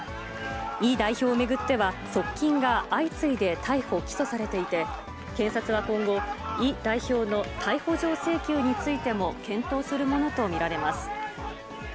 イ代表を巡っては、側近が相次いで逮捕・起訴されていて、検察は今後、イ代表の逮捕状請求についても検討するものと見られます。